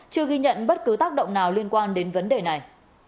chưa ghi nhận bất cứ tác động nào liên quan đến vấn đề này